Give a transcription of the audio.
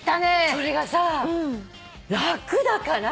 それがさ楽だから。